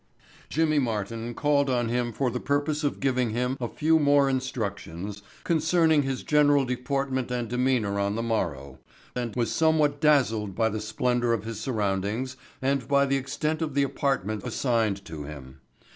Jimmy Martin, calling on him for the purpose of giving him a few more instructions concerning his general deportment and demeanor on the morrow, was somewhat dazzled by the splendor of his surroundings and by the extent of the apartment assigned to him.